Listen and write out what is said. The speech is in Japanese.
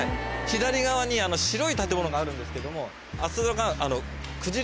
左側に白い建物があるんですけどもあそこが。